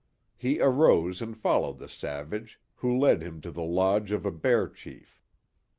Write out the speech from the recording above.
He arose and followed the savage, who led him to the lodge of a bear chief.